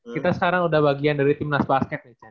kita sekarang udah bagian dari timnas basket